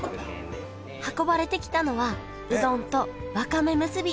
運ばれてきたのはうどんとわかめむすび！